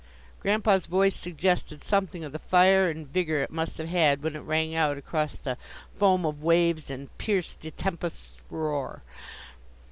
Grandpa's voice suggested something of the fire and vigor it must have had when it rang out across the foam of waves and pierced the tempest's roar.